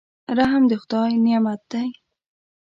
رحم د خدای نعمت دی.